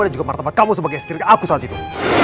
dan juga martabat kamu sebagai istri aku saat itu